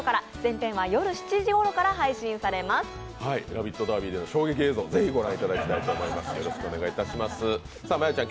ラビットダービーでの衝撃映像をぜひ御覧いただきたいと思います。